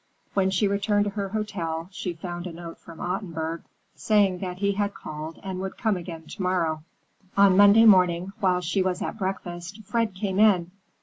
When she returned to her hotel, she found a note from Ottenburg, saying that he had called and would come again to morrow. On Monday morning, while she was at breakfast, Fred came in.